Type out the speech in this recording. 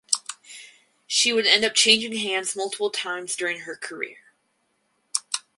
She would end up changing hands multiple times during her career.